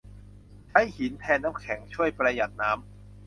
ใช้หินแทนน้ำแข็ง ช่วยประหยัดน้ำ